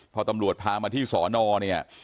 พอตำรวจพามาที่สอนอเนี่ย